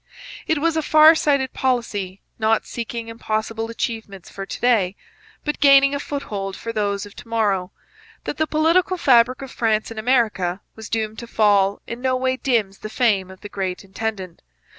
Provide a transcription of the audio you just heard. It was a far sighted policy, not seeking impossible achievements for to day, but gaining a foot hold for those of to morrow. That the political fabric of France in America was doomed to fall in no way dims the fame of the great intendant.